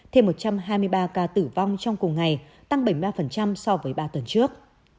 thêm một trăm hai mươi ba ca tử vong trong cùng ngày tăng bảy mươi ba so với ba tuần trước